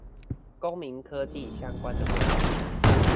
公民科技相關的活動